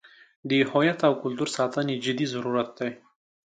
د هویت او کلتور ساتنې جدي ضرورت دی.